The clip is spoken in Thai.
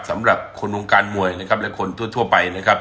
สำหรับคนวงการมวยนะครับและคนทั่วไปนะครับ